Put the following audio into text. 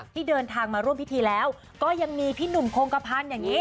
ที่เดินทางมาร่วมพิธีแล้วก็ยังมีพี่หนุ่มโครงกระพันธ์อย่างนี้